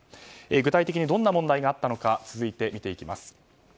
具体的にどんな問題があったのか続いて見ていきます。